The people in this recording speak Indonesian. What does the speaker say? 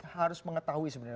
harus mengetahui sebenarnya